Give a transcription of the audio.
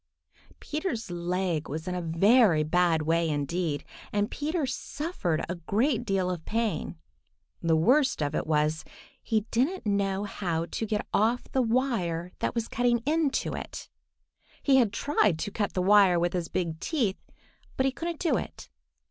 Peter's leg was in a very bad way, indeed, and Peter suffered a great deal of pain. The worst of it was, he didn't know how to get off the wire that was cutting into it so. He had tried to cut the wire with his big teeth, but he couldn't do it.